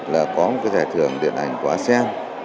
là có một cái giải thưởng điện ảnh của asean